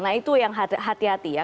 nah itu yang hati hati ya